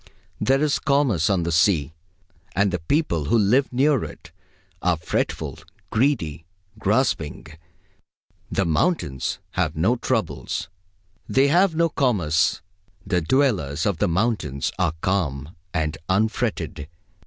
There is commerce on the sea, and the people who live near it are fretful, greedy, grasping. The mountains have no troubles; they have no commerce. The dwellers of the mountains are calm and unfretted.